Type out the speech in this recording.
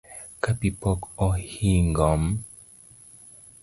Ka pi pok ohingo m